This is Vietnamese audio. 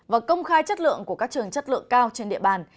và công khai chất lượng của các trường chất lượng cao trên địa bàn